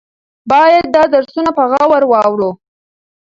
باید دا درسونه په غور واورو.